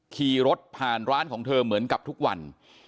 ขี่รถผ่านร้านของเธอเหมือนกับทุกวัน